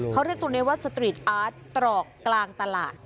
เขาเรียกตัวนี้ว่าสตรีทอาร์ตตรอกกลางตลาด